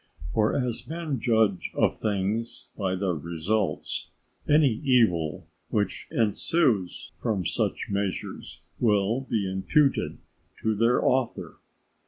For as men judge of things by their results, any evil which ensues from such measures will be imputed to their author.